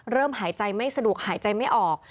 หายใจไม่สะดวกหายใจไม่ออก